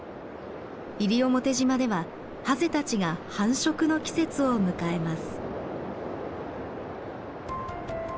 西表島ではハゼたちが繁殖の季節を迎えます。